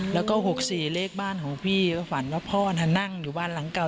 แล้วก็๖๔เลขบ้านของพี่ก็ฝันว่าพ่อน่ะนั่งอยู่บ้านหลังเก่า